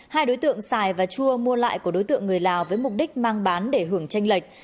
hai đối tượng xài và chua mua lại của đối tượng người lào với mục đích mang bán để hưởng tranh lệch